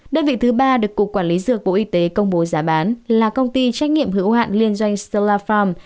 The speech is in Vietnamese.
đơn vị thứ ba được cục quản lý dược bộ y tế công bố giá bán là công ty trách nhiệm hữu hạn liên doanh slot farm